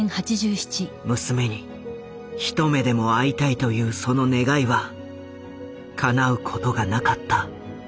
娘に一目でも会いたいというその願いはかなうことがなかった。